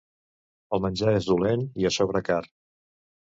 El menjar és dolent i, a sobre, car.